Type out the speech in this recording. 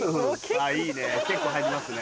あぁいいね結構入りますね。